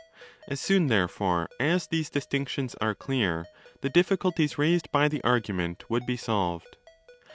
As soon, therefore, as these distinctions are clear, the difficulties raised by the argument would be solved.